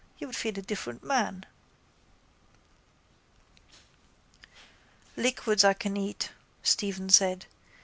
You would feel a different man. —Liquids I can eat, Stephen said.